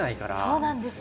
そうなんですよ。